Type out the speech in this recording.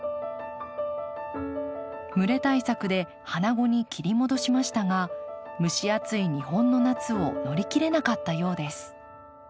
蒸れ対策で花後に切り戻しましたが蒸し暑い日本の夏を乗り切れなかったようです。